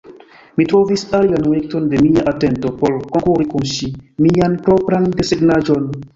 Mi trovis alian objekton de mia atento por konkuri kun ŝi: mian propran desegnaĵon.